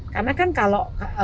karena kan kalau anak